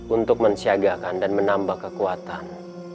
untuk mensiagakan dan menambah kekuatan